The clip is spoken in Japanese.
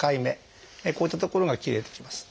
こういった所が切れてきます。